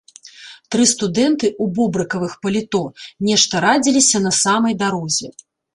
Тры студэнты ў бобрыкавых паліто нешта радзіліся на самай дарозе.